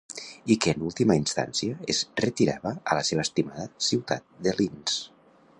I que en última instància, es retirava a la seva estimada ciutat de Linz.